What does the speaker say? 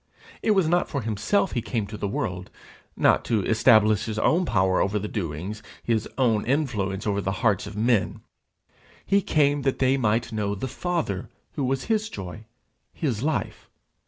It was not for himself he came to the world not to establish his own power over the doings, his own influence over the hearts of men: he came that they might know the Father who was his joy, his life.